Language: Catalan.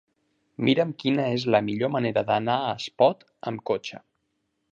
Mira'm quina és la millor manera d'anar a Espot amb cotxe.